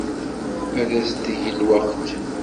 As-d deg lweqt.